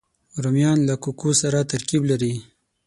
رومیان له کوکو سره ترکیب لري